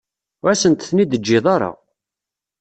Ur asent-ten-id-teǧǧiḍ ara.